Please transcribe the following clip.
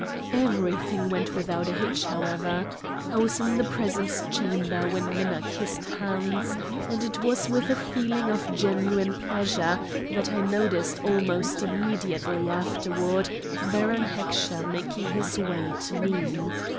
Everything went without a hitch, however. I was in the presence chamber when Minna kissed hands, and it was with a feeling of genuine pleasure that I noticed almost immediately afterward Baron Heckscher making his way to me.